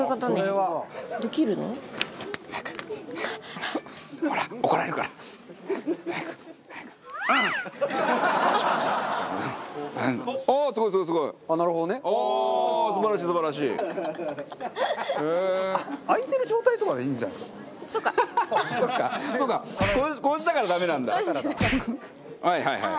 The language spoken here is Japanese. はいはいはいはい。